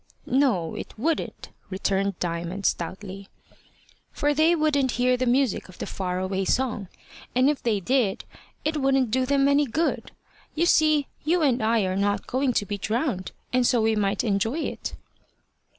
"No, it wouldn't," returned Diamond, stoutly. "For they wouldn't hear the music of the far away song; and if they did, it wouldn't do them any good. You see you and I are not going to be drowned, and so we might enjoy it."